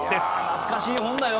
懐かしい本だよ。